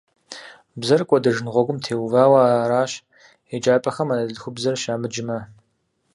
Бзэр кӀуэдыжын гъуэгум теувауэ аращ еджапӀэхэм анэдэлъхубзэр щамыджмэ.